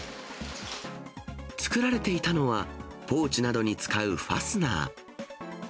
作られていたのは、ポーチなどに使うファスナー。